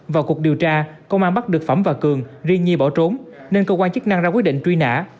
vào cuộc điều tra công an bắt được phẩm và cường riêng nhi bỏ trốn nên cơ quan chức năng ra quyết định truy nã